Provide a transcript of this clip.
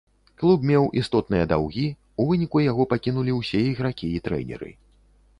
Клуб меў істотныя даўгі, у выніку яго пакінулі ўсе ігракі і трэнеры.